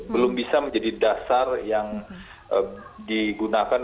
belum bisa menjadi dasar yang digunakan